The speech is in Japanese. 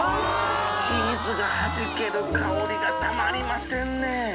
はじける香りがたまりませんね。